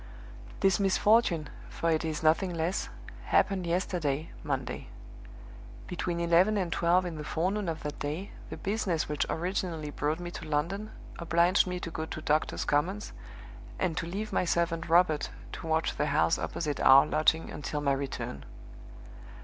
"This misfortune for it is nothing less happened yesterday (Monday). Between eleven and twelve in the forenoon of that day, the business which originally brought me to London obliged me to go to Doctors' Commons, and to leave my servant Robert to watch the house opposite our lodging until my return.